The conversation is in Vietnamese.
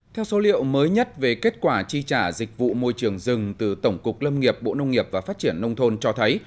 theo số liệu mới nhất về kết quả chi trả dịch vụ môi trường rừng từ tổng cục lâm nghiệp bộ nông nghiệp và phát triển nông thôn cho thấy